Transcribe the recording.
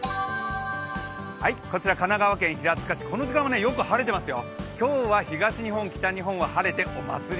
こちら神奈川県平塚市、この時間はよく晴れていますよ。